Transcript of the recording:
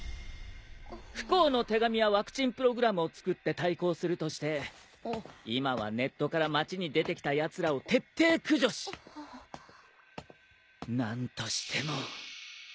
不幸の手紙はワクチンプログラムを作って対抗するとして今はネットから街に出てきたやつらを徹底駆除し何としても。